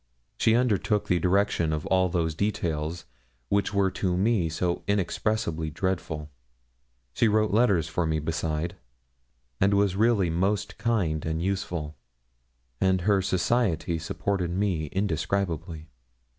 She undertook the direction of all those details which were to me so inexpressibly dreadful. She wrote letters for me beside, and was really most kind and useful, and her society supported me indescribably.